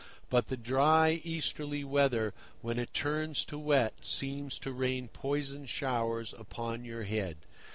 But the dry, Easterly weather, when it turns to wet, seems to rain poisoned showers upon your head.